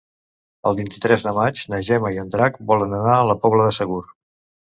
El vint-i-tres de maig na Gemma i en Drac volen anar a la Pobla de Segur.